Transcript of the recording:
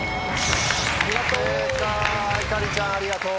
ありがとう！